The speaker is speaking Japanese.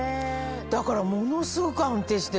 だからものすごく安定してる。